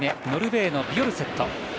ノルウェーのビョルセット。